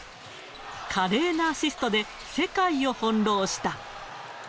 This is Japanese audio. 華麗なアシストで世界を翻弄した。